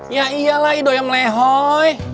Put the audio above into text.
ya iyalah ido yang melehoi